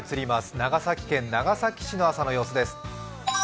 長崎県長崎市の朝です。